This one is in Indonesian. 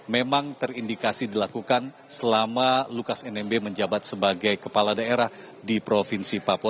memang terindikasi dilakukan selama lukas nmb menjabat sebagai kepala daerah di provinsi papua